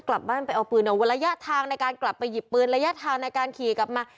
กลับบ้านไปเอาปืนเอาระยะทางในการกลับไปหยิบปืนระยะทางในการขี่กลับมา